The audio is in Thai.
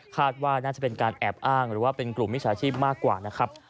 ว่าน่าจะเป็นการแอบอ้างหรือว่าเป็นกลุ่มมิจฉาชีพมากกว่านะครับ